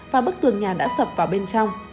và bức tường nhà đã sập vào bên trong